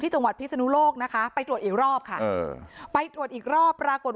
จังหวัดพิศนุโลกนะคะไปตรวจอีกรอบค่ะไปตรวจอีกรอบปรากฏ